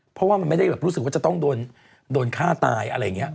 เพราะว่ามันไม่ได้แบบรู้สึกว่าจะต้องโดนฆ่าตายอะไรอย่างนี้